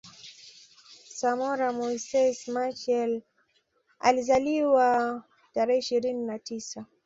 Samora Moises Machel Alizaliwa tarehe ishirini na tisa